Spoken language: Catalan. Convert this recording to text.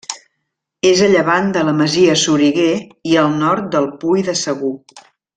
És a llevant de la Masia Soriguer i al nord del Pui de Segur.